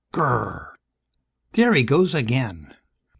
Gr r r! There he goes again!